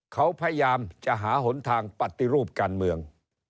เขาพยายามจะหาหนทางปฏิรูปการเมือง